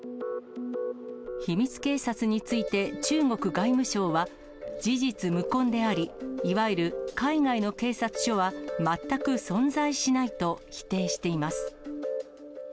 秘密警察について中国外務省は、事実無根であり、いわゆる海外の警察署は全く存在しないと否定しています。